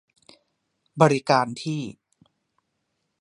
บริการที่